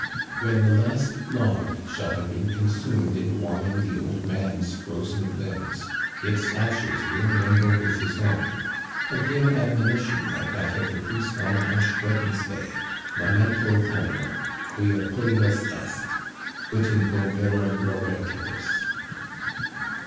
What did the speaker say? When the last log shall have ^ been consumed in warming the old man's frozen limbs, its ashes will mingle with his own — a grim admonition, like that of the priest on Ash Wednesday :" Memento, homo, quia pulvis es, ut in pulverem reverteris."